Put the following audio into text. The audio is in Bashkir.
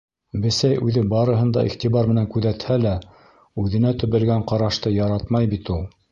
Бесәй үҙе барыһын да иғтибар менән күҙәтһә лә, үҙенә төбәлгән ҡарашты яратмай бит ул.